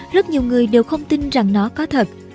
rất nhiều người đều không tin rằng nó có thật